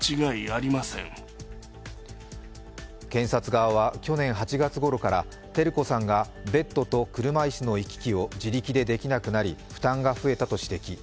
検察側は去年８月ごろから照子さんがベッドと車いすの行き来を自力でできなくなり負担が増えたと指摘。